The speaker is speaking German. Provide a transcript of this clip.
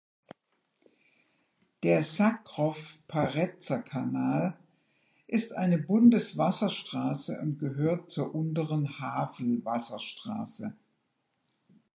Der Sacrow-Paretzer Kanal ist eine Bundeswasserstraße und gehört zur Unteren Havel-Wasserstraße.